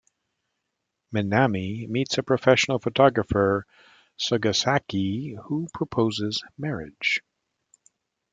Minami meets a professional photographer, Sugisaki, who proposes marriage.